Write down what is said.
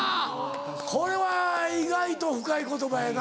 これは意外と深い言葉やな。